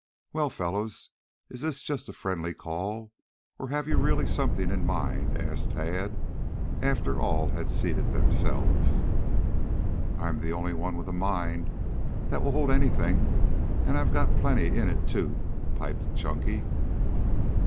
"Well, fellows, is this just a friendly call or have you really something in mind?" asked Tad after all had seated themselves. "I'm the only one with a mind that will hold anything. And I've got plenty in it, too," piped Chunky.